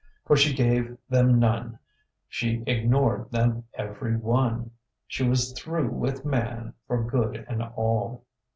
For she gave them none, she ignored them every one. She was through with Man for good and all!